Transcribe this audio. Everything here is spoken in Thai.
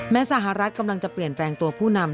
สหรัฐกำลังจะเปลี่ยนแปลงตัวผู้นำ